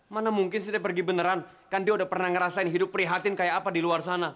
mana mungkin saya pergi beneran kan dia udah pernah ngerasain hidup prihatin kayak apa di luar sana